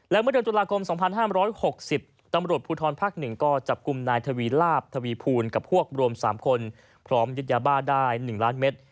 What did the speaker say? และเมื่อเดือนตุลาคม๒๕๖๐ตำรวจภูทรภักดิ์๑ก็จับกลุ่มนายทวีลาบทวีภูลกับพวกรวม๓คนพร้อมยึดยาบ้าได้๑ล้านเมตร